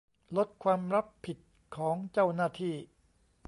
ลดความรับผิดของเจ้าหน้าที่